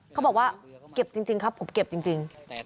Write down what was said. เขาบอกว่าเก็บจริงครับผมเก็บจริง